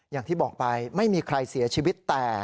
อย่างที่บอกไปไม่มีใครเสียชีวิตแต่